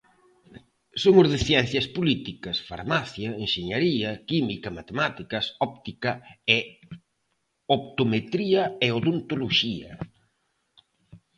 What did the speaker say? Son os de Ciencias políticas, Farmacia, Enxeñería química, Matemáticas, Óptica e Optometría e Odontoloxía.